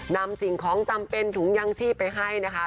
นำสิ่งของจำเป็นถุงยังชีพไปให้นะคะ